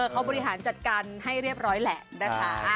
เขาบริหารจัดการให้เรียบร้อยแหละนะคะ